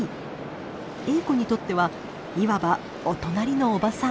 エーコにとってはいわばお隣のおばさん。